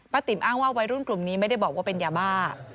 ติ๋มอ้างว่าวัยรุ่นกลุ่มนี้ไม่ได้บอกว่าเป็นยาบ้า